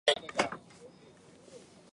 日本昭和天皇宣布终战诏书。